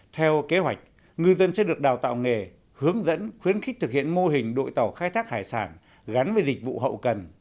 theo kế hoạch ngư dân sẽ được đào tạo nghề hướng dẫn khuyến khích thực hiện mô hình đội tàu khai thác hải sản gắn với dịch vụ hậu cần